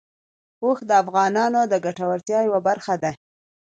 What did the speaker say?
اوښ د افغانانو د ګټورتیا یوه برخه ده.